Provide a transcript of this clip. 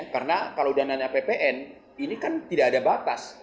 karena kalau dana ppn ini kan tidak ada batas